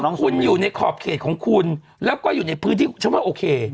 คุณอยู่ในขอบเขตของคุณแล้วก็อยู่ในพื้นที่ฉันว่าโอเค